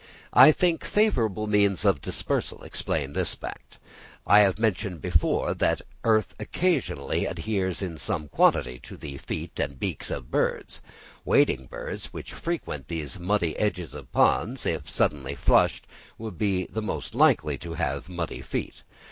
I think favourable means of dispersal explain this fact. I have before mentioned that earth occasionally adheres in some quantity to the feet and beaks of birds. Wading birds, which frequent the muddy edges of ponds, if suddenly flushed, would be the most likely to have muddy feet.